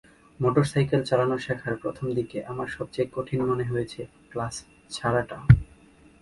Motorcycle চালানো শেখার প্রথম দিকে আমার সবচেয়ে কঠিন মনে হয়েছে, ক্লাস ছাড়াটা।